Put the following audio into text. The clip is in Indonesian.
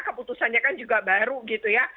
keputusannya kan juga baru gitu ya